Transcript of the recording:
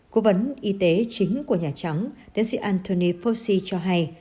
cố vấn y tế chính của nhà trắng tiến sĩ anthony fauci cho hay